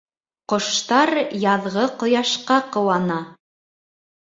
Ҡоштар яҙғы ҡояшҡа ҡыуана.